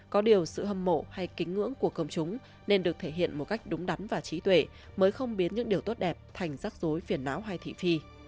có điều sự hâm mộ hay kính ngưỡng của công chúng nên được thể hiện một cách đúng đắn và trí tuệ mới không biến những điều tốt đẹp thành rắc rối phiền não hay thị phi